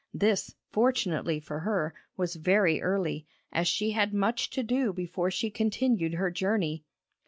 This, fortunately for her, was very early, as she had much to do before she continued her journey.